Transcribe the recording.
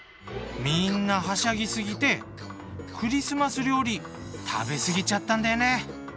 みんなはしゃぎ過ぎてクリスマス料理食べ過ぎちゃったんだよね。